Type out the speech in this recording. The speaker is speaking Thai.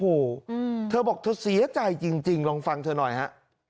โอ้โหเธอบอกเธอเสียใจจริงลองฟังเธอหน่อยฮะ